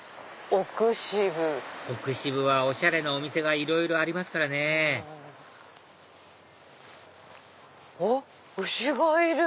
奥渋はおしゃれなお店がいろいろありますからねおっ牛がいる！